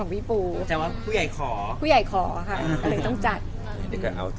อเรนนี่มีมุมเม้นท์อย่างนี้ได้เห็นอีกไหมคะแล้วแต่สถานการณ์ค่ะแล้วแต่สถานการณ์ค่ะ